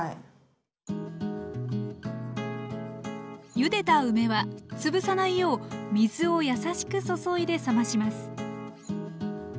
ゆでた梅は潰さないよう水をやさしく注いで冷まします